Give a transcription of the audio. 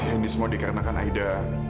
ini semua dikarenakan aida